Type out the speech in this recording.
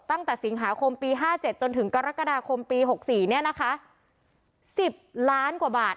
ตั้งแต่สิงหาคมปี๕๗จนถึงกรกฎาคมปี๖๔เนี่ยนะคะ๑๐ล้านกว่าบาท